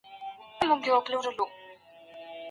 په خپلو خبرو او معاملو کي هيڅکله دروغ مه وايه.